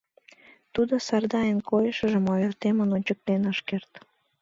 Тудо Сардайын койышыжым ойыртемын ончыктен ыш керт.